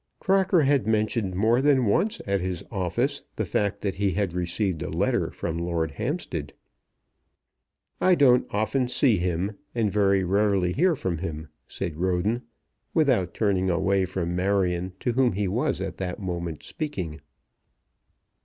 Crocker had mentioned more than once at his office the fact that he had received a letter from Lord Hampstead. "I don't often see him, and very rarely hear from him," said Roden, without turning away from Marion to whom he was at the moment speaking.